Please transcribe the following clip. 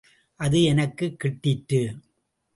அது எனக்குக் கிட்டிற்று.